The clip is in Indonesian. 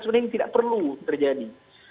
sebenarnya ini tidak perlu terjadi